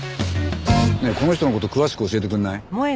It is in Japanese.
ねえこの人の事詳しく教えてくんない？